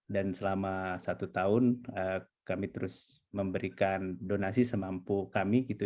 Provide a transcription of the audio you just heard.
dan selama satu tahun kami terus memberikan donasi semampu kami